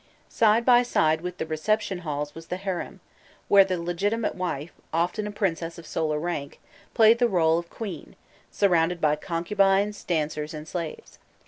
Side by side with the reception halls was the harem, where the legitimate wife, often a princess of solar rank, played the rôle of queen, surrounded by concubines, dancers, and slaves.